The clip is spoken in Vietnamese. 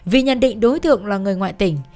vì nhận định đối tượng là người ngoại tỉnh